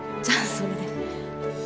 じゃあそれで。